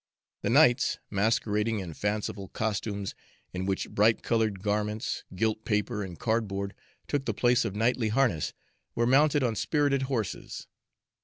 The knights, masquerading in fanciful costumes, in which bright colored garments, gilt paper, and cardboard took the place of knightly harness, were mounted on spirited horses.